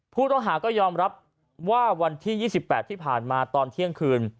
ผู้ต้องหาก็ยอมรับว่าวันที่๒๘ที่ผ่านมาตอนเที่ยงคืน